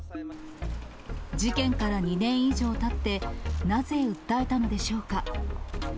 事件から２年以上たって、なぜ訴えたのでしょうか。